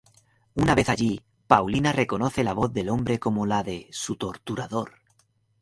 Una vez allí, Paulina reconoce la voz del hombre como la de su torturador.